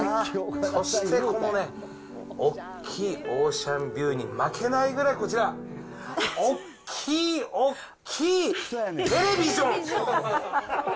そしてこのね、大きいオーシャンビューに負けないぐらいこちら、大きい大きいテレビジョン。